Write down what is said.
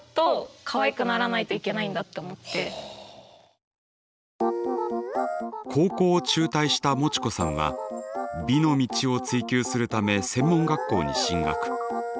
やっぱこうそれでってだから高校を中退したもちこさんは美の道を追求するため専門学校に進学。